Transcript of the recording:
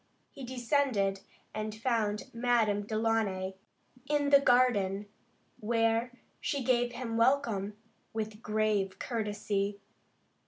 He descended, and found Madame Delaunay in the garden, where she gave him welcome, with grave courtesy.